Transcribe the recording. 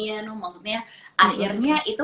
maksudnya akhirnya itu